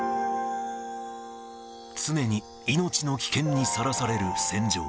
常に命の危険にさらされる戦場。